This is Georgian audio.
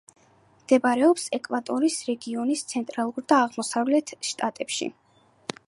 მდებარეობს ეკვატორიის რეგიონის ცენტრალურ და აღმოსავლეთ შტატებში.